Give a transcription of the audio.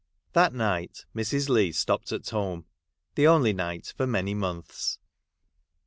THAT night Mrs. Leigh stopped at home ; that only night for many months.